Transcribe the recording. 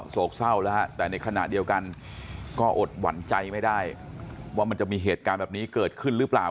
โศกเศร้าแล้วฮะแต่ในขณะเดียวกันก็อดหวั่นใจไม่ได้ว่ามันจะมีเหตุการณ์แบบนี้เกิดขึ้นหรือเปล่า